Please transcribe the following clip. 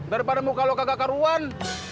daripada muka lo kagak karuan